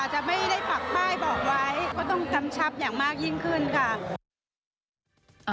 จะไม่ได้ปักป้ายบอกไว้ก็ต้องกำชับอย่างมากยิ่งขึ้นค่ะ